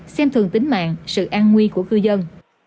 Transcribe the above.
xem thường tính mạng sự an nguy của cư dân